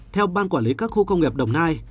theo ban quản lý các khu công nghiệp đồng nai